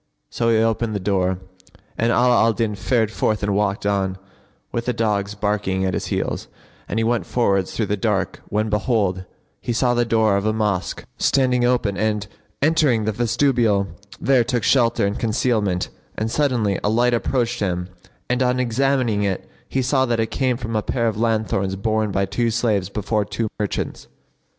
So he opened the door, and Ala al Din fared forth and walked on, with the dogs barking at his heels, and he went forwards through the dark when behold, he saw the door of a mosque standing open and, entering the vestibule, there took shelter and concealment; and suddenly a light approached him and on examining it he saw that it came from a pair of lanthorns borne by two slaves before two merchants.